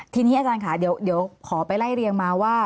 ทีนี้อาจารย์ค่ะเดี๋ยวขอไปไล่เรียงมาว่า